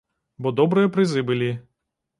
Бо добрыя прызы былі.